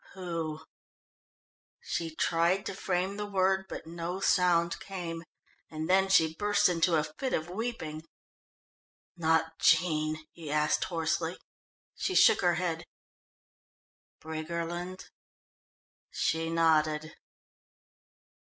"Who?" She tried to frame the word, but no sound came, and then she burst into a fit of weeping. "Not Jean?" he asked hoarsely. She shook her head. "Briggerland?" She nodded.